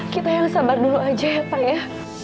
kita yang sabar dulu aja ya pak ya